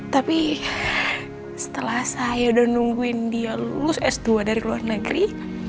tapi setelah saya udah nungguin dia lulus s dua dari luar negeri